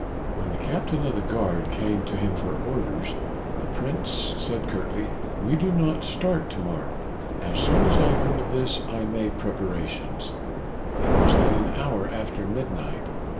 When the captain of the guard came to him for orders the Prince said curtly: 'We do not start to morrow!' As soon as I heard of this I made preparations. It was then an hour after midnight.